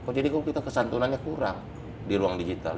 kok jadi kok kita kesantunannya kurang di ruang digital